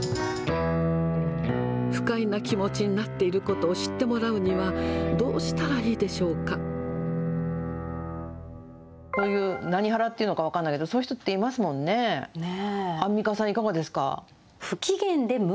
不快な気持ちになっていることを知ってもらうには、どうしたらいいでしょうか。という、何ハラっていうのか分からないけれども、そういう人っていますもねえ。